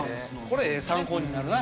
これええ参考になるな。